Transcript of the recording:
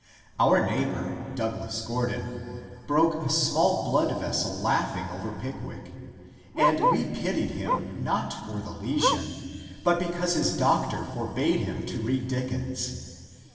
Our neighbour Douglas Gordon broke a small blood vessel laughing over Pickwick, and we pitied him not for the lesion, but because his doctor forbade him to read Dickens.